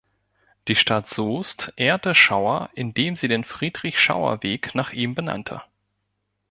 Die Stadt Soest ehrte Schauer, indem sie den Friedrich-Schauer-Weg nach ihm benannte.